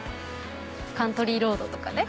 『カントリー・ロード』とかね。